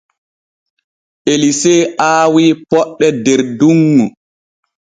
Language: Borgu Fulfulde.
Elise aawi poɗɗe der dunŋu.